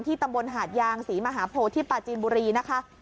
ตำบลหาดยางศรีมหาโพที่ปาจีนบุรีนะคะ